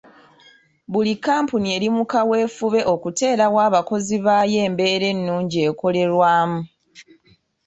Buli kkampuni eri mu kaweefube okuteerawo abakozi baayo embeera ennungi ekolerwamu.